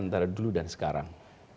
antara dulu dan sekarang